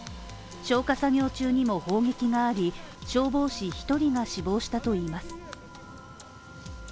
消火作業中にも砲撃があり消防士１人が死亡したといいます。